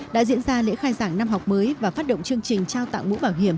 đã diễn ra lễ khai giảng năm học mới và phát động chương trình trao tặng mũ bảo hiểm